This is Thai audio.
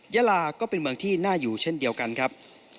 ยาลาก็เป็นเมืองที่น่าอยู่เช่นเดียวกันครับ